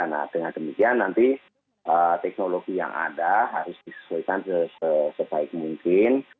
nah dengan demikian nanti teknologi yang ada harus disesuaikan sebaik mungkin